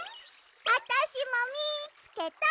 あたしもみつけた！